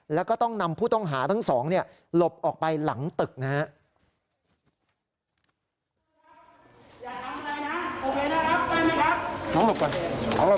แล้วก็ต้องนำผู้ต้องหาทั้งสองหลบออกไปหลังตึกนะครับ